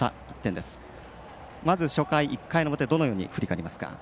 まず初回、１回の表どのように振り返りますか？